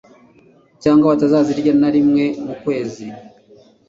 cyangwa batanazirya na rimwe mu kwezi.